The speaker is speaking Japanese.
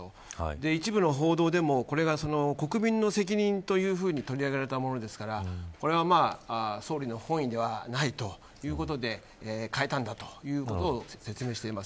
一部の報道でもこれが国民の責任と取り上げたものですからこれは、総理の本意ではないということで変えたんだということを説明しています。